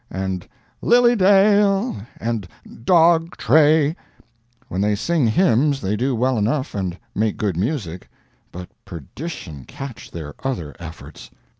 and "Lily Dale!" and "Dog Tray." When they sing hymns they do well enough and make good music, but perdition catch their other efforts!